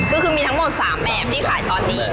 ก็คือมีทั้งหมด๓แบบที่ขายตอนนี้